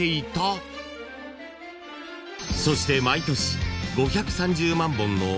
［そして毎年］